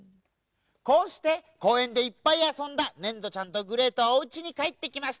こうしてこうえんでいっぱいあそんだねんどちゃんとグレートはおうちにかえってきました。